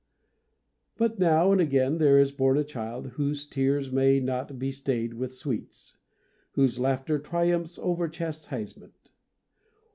But now and again there is born a child whose tears may not be stayed with sweets, whose laughter triumphs over chastisement.